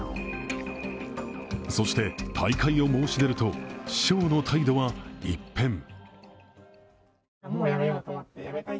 そして、退会を申し出ると師匠の態度は一変。